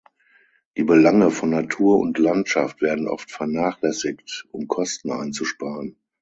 Die Belange von Natur und Landschaft werden oft vernachlässigt, um Kosten einzusparen.